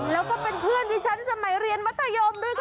แล้วก็เป็นเพื่อนที่ฉันสมัยเรียนมัธยมด้วยค่ะ